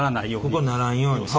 ここならんように。